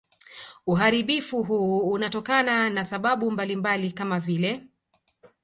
Uharibifu huu unatokana na sababu mbalimbali kama vile